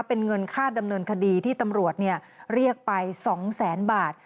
เป็นเงินค่าดำเนินคดีที่ตำรวจเรียกไป๒แสนบาท